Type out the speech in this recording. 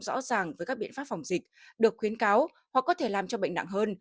rõ ràng với các biện pháp phòng dịch được khuyến cáo hoặc có thể làm cho bệnh nặng hơn